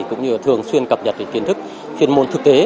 cũng như thường xuyên cập nhật những kiến thức chuyên môn thực tế